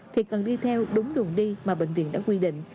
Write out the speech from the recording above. thì cần đi theo đúng đường đi mà bệnh viện đã quy định